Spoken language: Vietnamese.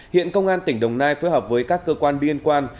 hiện công an tỉnh đồng nai phối hợp với các cơ quan liên quan